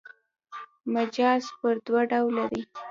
مجاز پر دوه ډوله دﺉ.